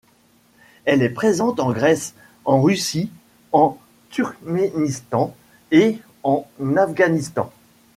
Elle est présente en Grèce, en Russie, en Turkménistan et en Afghanistan.